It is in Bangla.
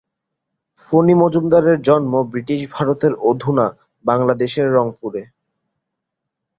ফণী মজুমদারের জন্ম বৃটিশ ভারতের অধুনা বাংলাদেশের রংপুরে।